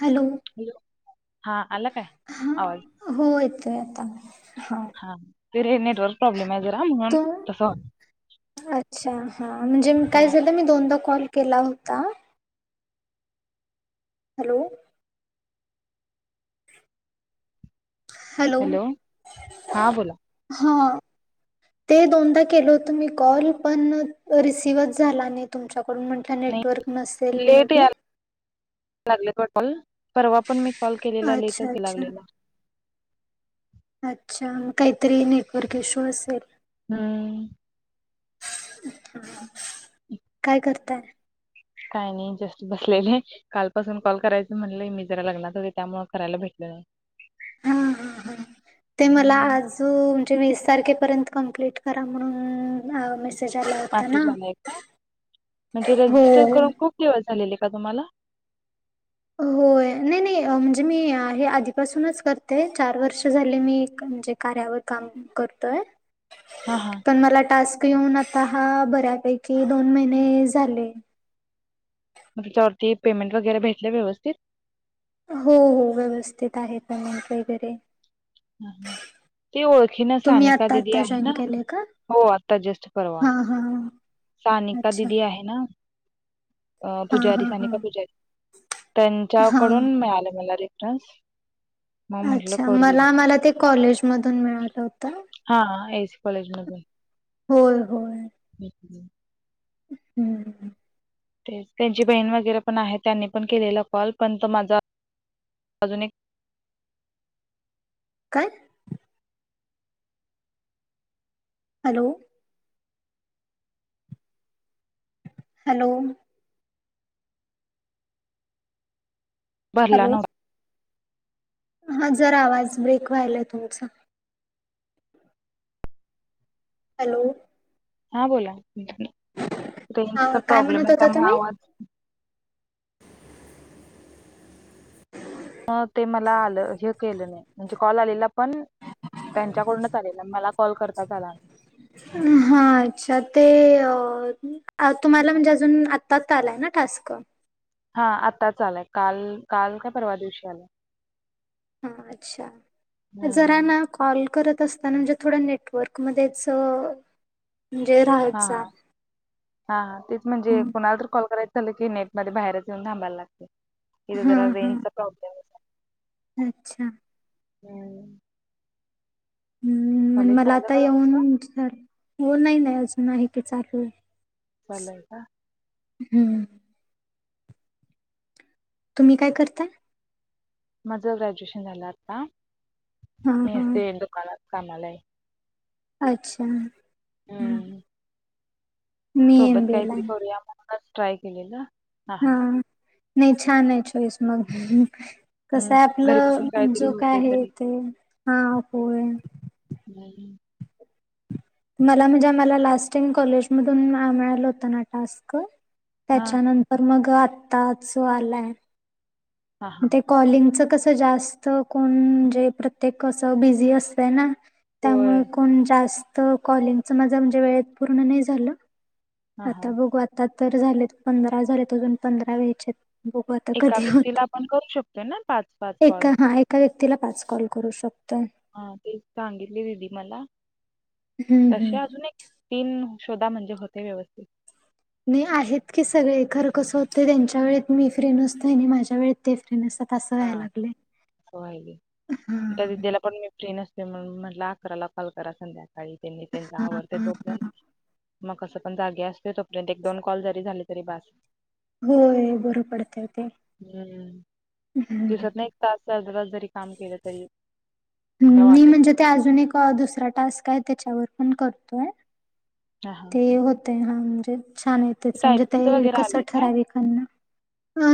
Hello hello हा आला काय हा आवाज हो येतोय आता हा हा फिरे नट वक प्रॉ्लेम आहे जरा तू तसं होत. अच्छा हा म्हणजे हा काय झालं मी दोनदा कॉल केला होता हॅलो हॅलो हा बोला हा ते दोनदा केल होतं मी कॉल पण रिसीव्हच झाला नाही तुमच्याकडून म्हण नाही नेटवर्क नसेेल मे लेट बी यायला लागले कॉल परवा पण मी कॉल केलेला अच्छा लेटच अच्छा लागलेला अच्छा काहीतरी नेटवर्कशो असेल हम्म काय करताय काय नाही जास्त बसलेले कालपासून कॉल करायचं म्हणलंय मी जरा लग्नात होते त्यामु करायला भेटले ना हा हा हा ते मला हम्म आज त म्हणजे वीस तारखेपर्यंत कप्ट करा म्हणून आला होता ना मसेज आलाय का म्हणजे रजिस्टर हो करून खूप दिवस झालेले आहे का तुम्हाला होय नाही नाही म्हणजे मी हे आधीपासूनच करतेय चार वर्ष झाले मी म्हणजे कार्यावर काम करतोय हा हा पण मला टास्क घऊन आता हा बऱ्यापैकी दोन महिने झाले मग त्याच्यावरती पेमेंट वगैरे भेटले व्यवस्थित हो हो व्यवस्थित आहे पमट वगैरे. हम् हम् ते ओळखीन तुम्ही सानिका आत्ता दिदी आत्ता आहे जॉईन ना केलंय का? हो आता जस्ट करवा हां, हां. सानिका अच्छा. दिदी आहे ना अ हां, पुजारी हां, हां. सानिका पुूजारी हां. त्यांच्याकडून मिळालं मला रेफरनस अच्छा मला मला ते कॉलेज ध मिळालं होतं हा एसी कॉलेज होय होय. भेटले हम्म ते त्यांची बहीण वगैरे पण आहे त्यांनी पण केलेला कॉल पण त माझा अजून एक काय हॅलो हॅलो भरला नव्हता हा जरा आवाज ब्रेक व्हायलाय तुमचा हॅलो हा बोला, रेंजचा हा काय प्रॉब्लेम म्हणत आहे होता त्यामुळे तुम्ही? आवाज. मग ते मला आलं, हे केलं नाही म्हणजे कॉल आलेला पण त्यांच्याकडून आलेल, मला कॉल करताच आला नाही. हा, अच्छा ते अ तुम्हाला म्हणजे अजून, आत्ताच आलाय ना ठास्क? हा आत्ता आलाय, काल, काल का परवा दिवशी आलाय. हा अच्छा, जरा हम्म ना कॉल करत असताना म्हणजे थोडं नेटवर्क मध्येच, म्हणजे राहत हा जा. हा तेच म्हणजे कुणाला तर कॉल करायचं झालं की नेट मध्ये बाहेरच येऊन थांबाय लागतय. इथं हा जरा, हा रेंज चा प्रॉब्लेम होता अच्छा हम्म हम्म, मण कॉलेज मला झालं आता का तुमचं? येऊन जात, फोन नाही ना, नाही की चालूय चालूय का? हम्म तुम्ही काय करता? माझं ग्रॅज्युएशन झालंआता हा मी हा असते दुकानात कामाला हाय. अच्छा हा हम्म मी सोबत एम बी ए ला काहीतरी आहे. करूया म्हणूनच ट्राय केलेल. हा, नाही छान हाय चोईस मग. हम्म कसंय घरी बसून आपलं, काहीतरी जो काय होतय आहे तरी ते हा होय झाली मला म्हणजे, आम्हाला लास्ट टाईम कॉलेजमधून मिळालं होत ना टास्क, हा त्याच्यानंतर तर मग आत्ताच आलाय. हा हा ते कॉलिंगच कसं जास्त कोण म्हणजे प्रत्येक कसं बिझी असतंय ना होय त्यामुळे कोण जास्त कॉलिंगच माझा म्हणजे वेळेत पूर्ण नाही झालं. हा हा आता बघू आता तर झाले पंधरा झालेत अजून पंधरा व्यायचेत. एका व्यक्तीला आपण करू शकतोय ना पाच? पाच कॉल एका, हा एका व्यक्तीला पाच कॉल करू शकतोय हा तेच सांगितले दिदी मला, हम्म तसे हम्म. अजून एक पीन शोधा म्हणजे होतय व्यवस्थित. नाही आहेत की सगळे खरं कसं होत त्यांच्या वेळेत मी फ्री नसते आणि माझ्या वेळेत ते फ्री नसत्या पाच ह्याया हा लागले राहिली त्या ह दिदीला पण मी फ्री नसते म्हण म्हटलं अकराला कॉल करा संध्याकाळी त्यांनी त्यांच हा आवर्ते हा तोप्यांत मग कसं पण जागे असत तोपर्यंत एक दोन कॉल जरी झाले तरी बस होय बरं पडतय ते दिसात ना एक तास अर् जरी काम केलं तरी हम् काय मी वाटत म्हणजे ते अजून एक दुसरा टास्क आहे त्याच्यावर पण करतोय ह हे होतंय म्हणजे छान य टायपिंगचं म्हजे वगैरे कस आले काय ठराविक पन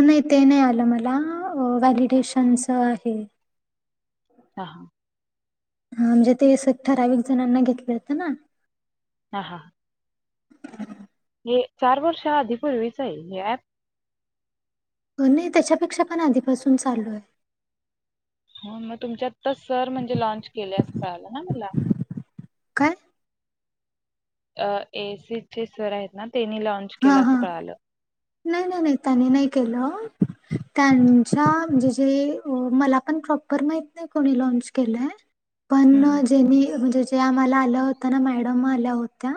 नाही ते नाही आलं मला व्हॅलिडेशनच आहे हा हा हा म्हणजे ते ठराविक जणांना घेतले होत ना हा हा हे चार वर्षा आधी पूर्वीच आहे हे ऍप नाही त्याच्यापेक्षा पण आधीपासून चालू आहे हो मग तुमच्यात तर सर म्हणजे लॉनच केले अस कळाला ना मला काय अ एसीचे सर आहेत ना त्यांनी लॉनच हा हा नाही नाही नाही त्याने नाही केलं त्यांच्या म्हणजे जे मला पण प्रॉपर माहित नाही कोणी लॉनच केलंय प हम् हम त्यानी म्हणजे जे आम्हाला आल होत ना म्हणजे मॅडम आल्या होत्या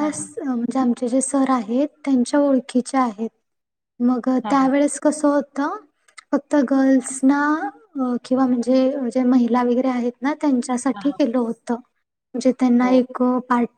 हा हा जे आमचे जे सर आहेत त्यांच्या ओळखीचे आहेत मग हा हा त्यावेेळेस कसं होतं फक्त गर्ल्स ना किंवा म्हणजे जे महिला वगैरे आहेत ना त्यांच्या हा पाठी हा केल होत म्हणजे त्यांना हो एक पाय